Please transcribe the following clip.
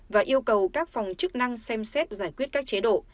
và yêu cầu các phòng chức năng xem xét giải quyết các chế độ